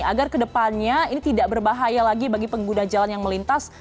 agar kedepannya ini tidak berbahaya lagi bagi pengguna jalan yang melintas